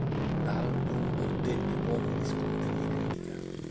L'album ottenne buoni riscontri di critica.